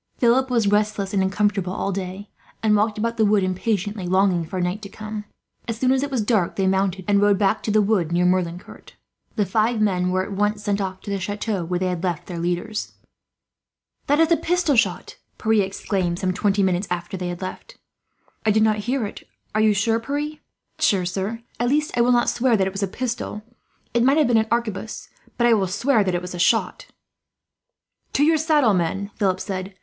Philip was restless and uncomfortable all day, and walked about the wood, impatiently longing for night to come. As soon as it was dark they mounted, and rode back to the wood near Merlincourt. The five men were at once sent off to the chateau where they had left their leaders. "That is a pistol shot!" Pierre exclaimed, some twenty minutes after they left. "I did not hear it. Are you sure, Pierre?" "Quite sure, sir. At least, I will not swear that it was a pistol it might have been an arquebus but I will swear it was a shot." "To your saddle, men," Philip said.